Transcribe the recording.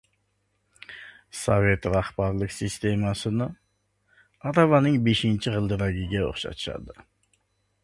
Sovet rahbarlik sistemasini aravaning beshinchi g‘ildiragiga o‘xshatishadi.